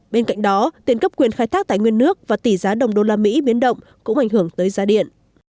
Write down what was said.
bên cạnh đó tiền cấp quyền khai thác tài nguyên nước và tỷ giá đồng đô la mỹ biến động cũng ảnh hưởng tới giá điện